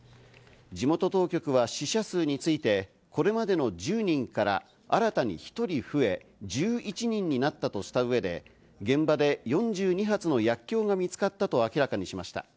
地元当局は死者数についてこれまでの１０人から新たに１人増え、１１人になったとした上で、現場で４２発の薬きょうが見つかったと明らかにしました。